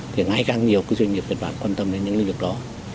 thì ngày càng nhiều doanh nghiệp việt bản quan tâm đến những lĩnh vực đó